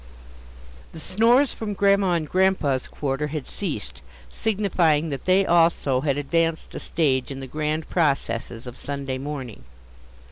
The snores from Grandma and Grandpa's quarter had ceased, signifying that they, also, had advanced a stage in the grand processes of Sunday morning.